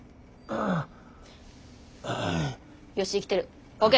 よし生きてるＯＫ。